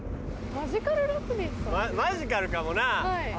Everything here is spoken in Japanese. マヂカルかもな。